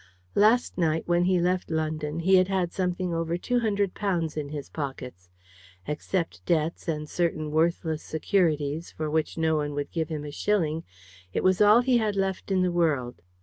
Last night, when he left London, he had had something over two hundred pounds in his pockets. Except debts, and certain worthless securities, for which no one would give him a shilling, it was all he had left in the world.